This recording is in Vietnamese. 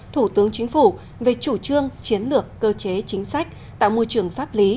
thủ tướng chính phủ về chủ trương chiến lược cơ chế chính sách tạo môi trường pháp lý